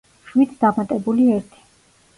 შვიდს დამატებული ერთი.